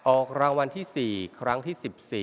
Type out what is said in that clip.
ออกรางวัลที่๔ครั้งที่๑๔